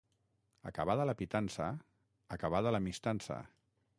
Acabada la pitança, acabada l'amistança.